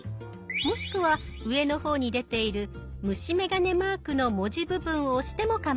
もしくは上の方に出ている虫眼鏡マークの文字部分を押してもかまいません。